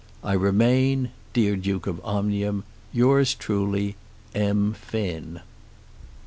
I remain, Dear Duke of Omnium, Yours truly, M. FINN.